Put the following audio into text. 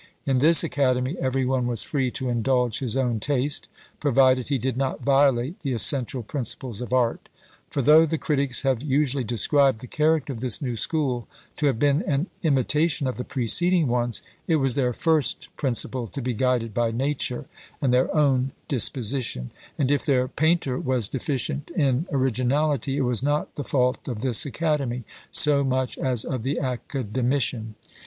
In this academy every one was free to indulge his own taste, provided he did not violate the essential principles of art; for though the critics have usually described the character of this new school to have been an imitation of the preceding ones, it was their first principle to be guided by nature, and their own disposition; and if their painter was deficient in originality, it was not the fault of this academy so much as of the academician.